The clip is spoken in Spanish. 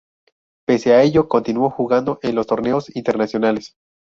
Pese a ello, continuó jugando en los torneos internacionales.